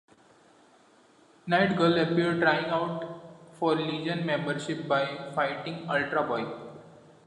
Night Girl appeared trying out for Legion membership by fighting Ultra Boy.